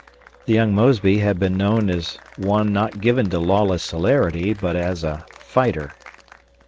The young Mosby had been known as one not given to lawless hilarity, but as a "fighter."